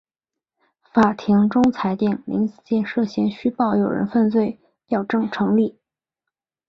法庭终裁定林子健涉嫌虚报有人犯罪表证成立。